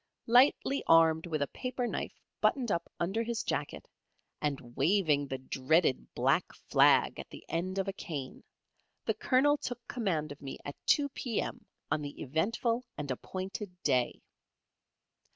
Lightly armed with a paper knife buttoned up under his jacket, and waving the dreaded black flag at the end of a cane, the Colonel took command of me at 2 P.M. on the eventful and appointed day.